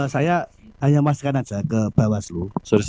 saya hanya masukkan saja ke bawah selu